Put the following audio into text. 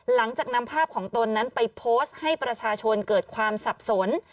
หลังจากนำภาพของตนนั้นไปโพสต์ให้ประชาชนเกิดความสับสน